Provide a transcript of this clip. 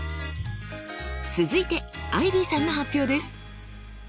続いてアイビーさんの発表です。